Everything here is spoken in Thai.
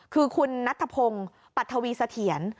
คือคุณนัทธพงศ์ปัทวีเสถียร